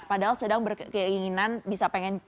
padahal sedang berkeinginan bisa pengen